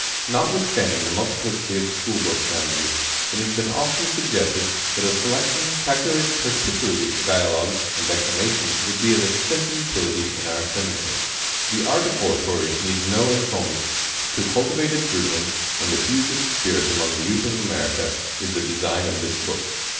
NOTWITHSTAjYDIKG the multiplicity of School^ Books now in use, it has been often suggested, that a Selection, calculated particularly for Dialogue and Declamation, would be of extensive utility in our seminaries. The art of Oratory needs no encomium. To cultivate its rudiments, and diffuse its spirit among the Youth of America, is the design of this Book.